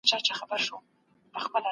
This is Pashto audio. ایا واړه پلورونکي وچه الوچه ساتي؟